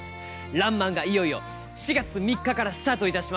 「らんまん」がいよいよ４月３日からスタートいたします。